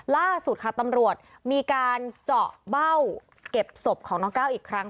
ล่าสุดค่ะตำรวจมีการเจาะเบ้าเก็บศพของน้องก้าวอีกครั้ง